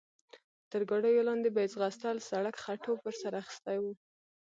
تر ګاډیو لاندې به یې ځغستل، سړک خټو پر سر اخیستی و.